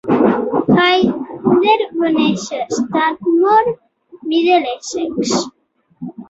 Hayden va néixer a Stanmore, Middlesex.